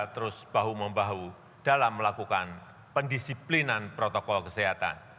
terus bahu membahu dalam melakukan pendisiplinan protokol kesehatan